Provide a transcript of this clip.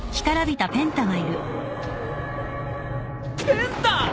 ペンタ！